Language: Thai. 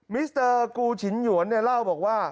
มิสเตอร์กูฉินหยวนเนี่ยเล่าบอกว่า